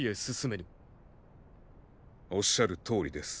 おっしゃるとおりです。